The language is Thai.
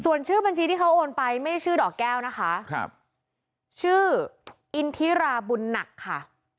ส่วนชื่อบัญชีที่เขาโอนไปไม่ได้ชื่อดอกแก้วนะคะครับชื่ออินทิราบุญหนักค่ะ